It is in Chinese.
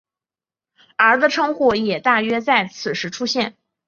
而的称呼也大约在此时出现。